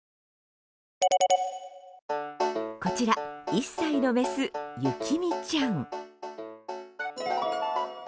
こちら１歳のメス雪海ちゃん。